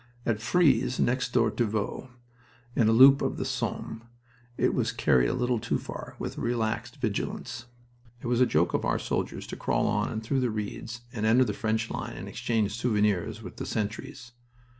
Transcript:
At Frise, next door to Vaux, in a loop of the Somme, it was carried a little too far, with relaxed vigilance. It was a joke of our soldiers to crawl on and through the reeds and enter the French line and exchange souvenirs with the sentries.